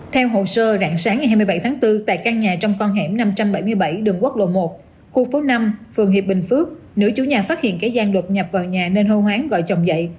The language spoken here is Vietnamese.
theo hồ sơ rạng sáng ngày hai mươi bảy tháng bốn tại căn nhà trong con hẻm năm trăm bảy mươi bảy đường quốc lộ một khu phố năm phường hiệp bình phước nữ chủ nhà phát hiện kẻ gian đột nhập vào nhà nên hô hoáng gọi chồng dậy